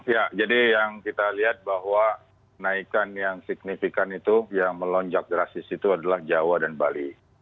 ya jadi yang kita lihat bahwa naikan yang signifikan itu yang melonjak drastis itu adalah jawa dan bali